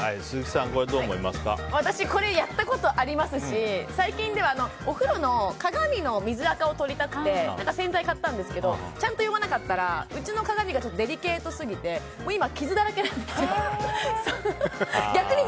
私、これやったことありますし最近ではお風呂の鏡の水垢をとりたくて洗剤を買ったんですけどちゃんと読まなかったらうちの鏡がデリケートすぎて今、傷だらけなんですよ。